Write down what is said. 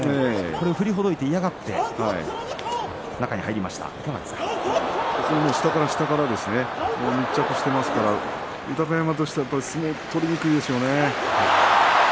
これを振りほどいて嫌がって下から下から密着していますから豊山としては相撲が取りにくいでしょうね。